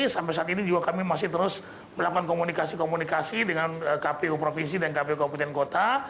sampai saat ini juga kami masih terus melakukan komunikasi komunikasi dengan kpu provinsi dan kpu kabupaten kota